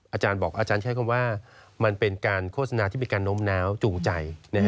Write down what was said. อาจารย์บอกอาจารย์ใช้คำว่ามันเป็นการโฆษณาที่มีการโน้มน้าวจูงใจ